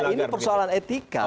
ini persoalan etika